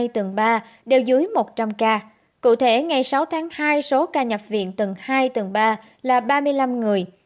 tầng ba đều dưới một trăm linh ca cụ thể ngày sáu tháng hai số ca nhập viện tầng hai tầng ba là ba mươi năm người